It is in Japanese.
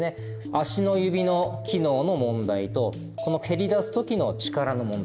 足の指の機能の問題とこの蹴り出すときの力の問題。